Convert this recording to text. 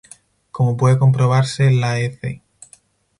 Como puede comprobarse, la Ec.